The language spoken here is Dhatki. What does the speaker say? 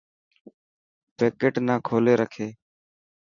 پيڪٽ نا ڪولي رکي.